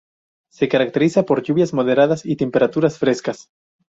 Se caracteriza por lluvias moderadas y temperaturas frescas.